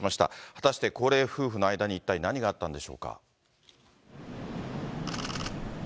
果たして高齢夫婦の間に一体何があったんでしょうか。